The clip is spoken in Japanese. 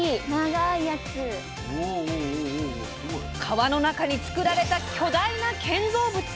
川の中に作られた巨大な建造物。